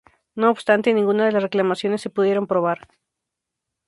No obstante, ninguna de las reclamaciones se pudieron probar.